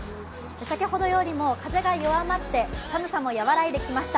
先ほどよりも風が弱まって寒さも和らいできました。